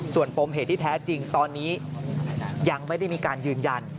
ส่วนปมเหตุที่แท้จริงตอนนี้ยังไม่ได้มีการยืนยัน